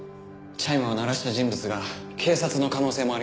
チャイムを鳴らした人物が警察の可能性もあります。